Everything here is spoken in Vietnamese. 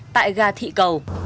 tại gà thị cầu